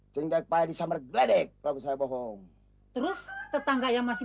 singgah payadi summer gledek kalau saya bohong terus tetangga yang masih